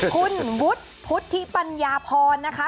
คุณวุฒิพุทธิปัญญาพรนะคะ